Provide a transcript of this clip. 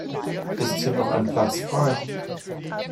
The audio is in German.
Ist hier noch ein Platz frei?